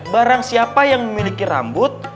barang siapa yang memiliki rambut